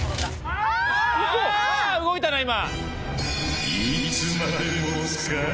あぁ動いたな今！